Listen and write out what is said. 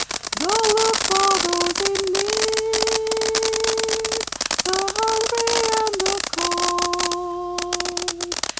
Go look for those in need The hungry and the cold.